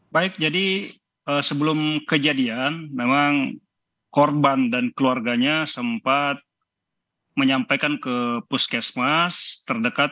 baik jadi sebelum kejadian memang korban dan keluarganya sempat menyampaikan ke puskesmas terdekat